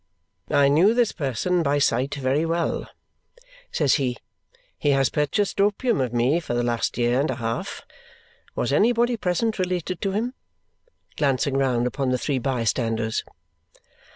"I knew this person by sight very well," says he. "He has purchased opium of me for the last year and a half. Was anybody present related to him?" glancing round upon the three bystanders.